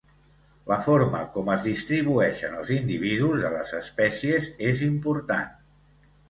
La forma com es distribueixen els individus de les espècies és important.